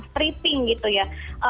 stripping gitu ya